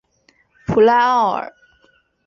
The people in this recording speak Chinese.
普赖奥尔。